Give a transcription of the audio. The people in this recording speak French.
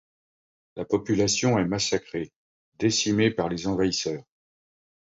La population est massacrée, décimée par les envahisseurs.